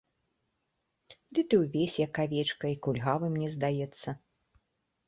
Ды ты ўвесь, як авечка, і кульгавы, мне здаецца.